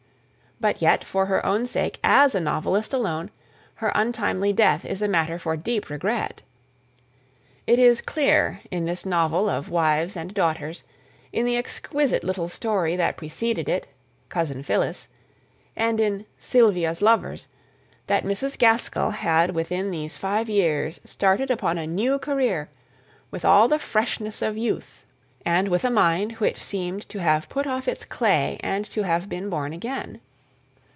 But yet, for her own sake as a novelist alone, her untimely death is a matter for deep regret. It is clear in this novel of Wives and Daughters, in the exquisite little story that preceded it, Cousin Phillis, and in Sylvia's Lovers, that Mrs. Gaskell had within these five years started upon a new career with all the freshness of youth, and with a mind which seemed to have put off its clay and to have been born again.